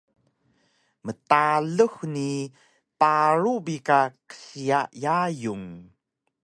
Mtalux ni paru bi ka qsiya yayung